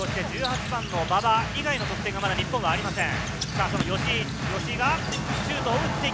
１８番の馬場以外の得点がまだ日本はありません。